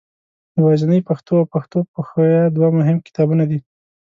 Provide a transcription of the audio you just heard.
یوازنۍ پښتو او پښتو پښویه دوه مهم کتابونه دي.